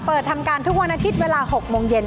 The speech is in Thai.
ทำการทุกวันอาทิตย์เวลา๖โมงเย็น